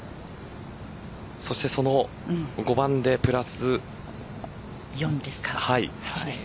そして、その５番でプラス４。